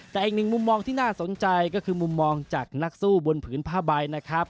แต่อีกหนึ่งมุมมองที่น่าสนใจก็คือมุมมองจากนักสู้บนผืนผ้าใบนะครับ